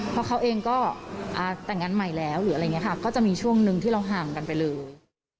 เพราะเขาเองก็แต่งงานใหม่แล้วหรืออะไรอย่างนี้ค่ะก็จะมีช่วงหนึ่งที่เราห่างกันไปเลย